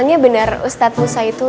oh apa itu